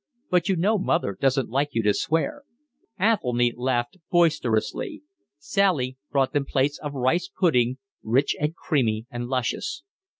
But you know mother doesn't like you to swear." Athelny laughed boisterously. Sally brought them plates of rice pudding, rich, creamy, and luscious.